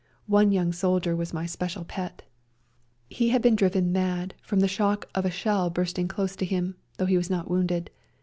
One young soldier was my special pet; he had been driven mad REJOINING THE SERBIANS 17 from the shock of a shell bursting close to him, though he was not wounded.